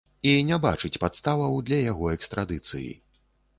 І не бачыць падставаў для яго экстрадыцыі.